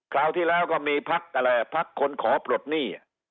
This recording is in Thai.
คราวที่แล้วก็มีพักอะไรพักคนขอปลดหนี้